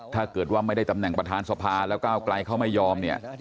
ถ้าเกิดว่าไม่ได้ตำแหน่งประธานสภาแล้วก้าวไกลเขาไม่ยอมเนี่ย